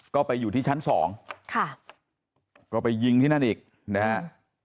ก็ไปอยู่ที่ชั้นสองค่ะก็ไปยิงที่นั่นอีกนะฮะ